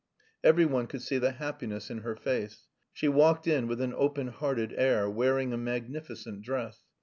Every one could see the happiness in her face. She walked in with an open hearted air, wearing a magnificent dress.